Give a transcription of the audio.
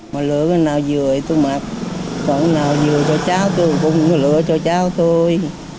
mà lựa cái nào vừa thì tôi mặc còn cái nào vừa cho cháu tôi cũng lựa cho cháu tôi